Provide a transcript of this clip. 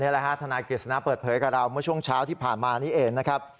ทนายกฤษณะเปิดเผยกับเราเมื่อช่วงเช้าที่ผ่านมานี้เองนะครับ